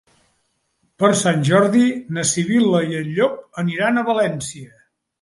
Per Sant Jordi na Sibil·la i en Llop aniran a València.